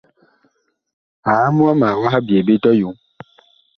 Aam wama wah byee ɓe tɔyom.